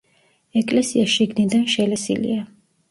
ეკლესია შიგნიდან შელესილია.